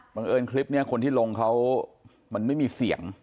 เอิญคลิปนี้คนที่ลงเขามันไม่มีเสียง